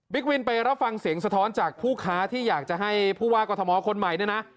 วินไปรับฟังเสียงสะท้อนจากผู้ค้าที่อยากจะให้ผู้ว่ากรทมคนใหม่เนี่ยนะ